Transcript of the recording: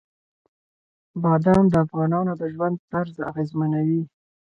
بادام د افغانانو د ژوند طرز اغېزمنوي.